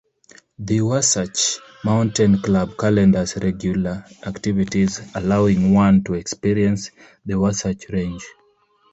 The Wasatch Mountain Club calendars regular activities allowing one to experience the Wasatch Range.